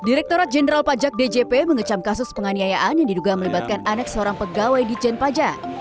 direkturat jenderal pajak djp mengecam kasus penganiayaan yang diduga melibatkan anek seorang pegawai di jen pajak